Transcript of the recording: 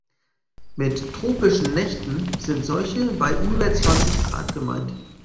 Mit tropischen Nächten sind solche bei über zwanzig Grad gemeint.